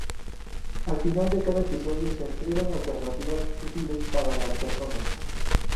Al final de cada episodio se entregan alternativas útiles para las personas.